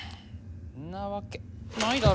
なわけないだろ！